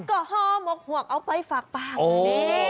ก็ห่อหมกหวกเอาไปฝากปากนี่